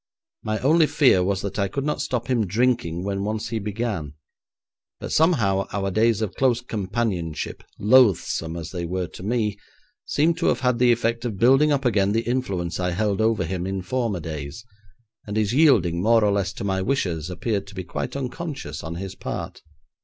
My only fear was that I could not stop him drinking when once he began, but somehow our days of close companionship, loathsome as they were to me, seemed to have had the effect of building up again the influence I held over him in former days, and his yielding more or less to my wishes appeared to be quite unconscious on his part.